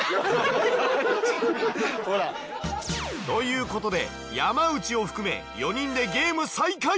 ということで山内を含め４人でゲーム再開！